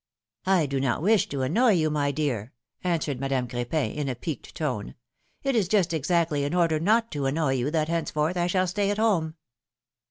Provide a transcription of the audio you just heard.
do not wish to annoy you, my dear," answered Madame Cr6pin, in a piqued tone; ^^it is just exactly in order not to annoy you that henceforth I shall stay at home."